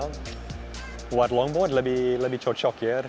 buat lombok lebih cocok ya